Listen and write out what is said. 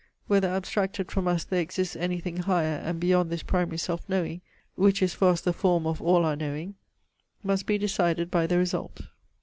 Whether abstracted from us there exists any thing higher and beyond this primary self knowing, which is for us the form of all our knowing must be decided by the result.